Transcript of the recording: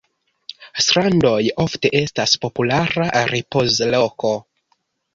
Strandoj ofte estas populara ripozloko.